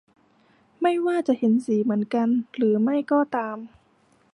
ไม่ว่าจะเห็นสีเหมือนกันหรือไม่ก็ตาม